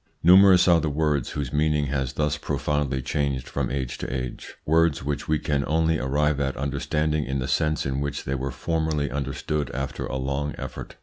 Numerous are the words whose meaning has thus profoundly changed from age to age words which we can only arrive at understanding in the sense in which they were formerly understood after a long effort.